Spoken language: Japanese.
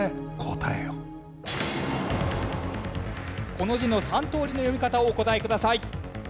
この字の３通りの読み方をお答えください。